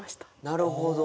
なるほど。